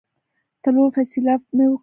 تللو فیصله مې وکړه.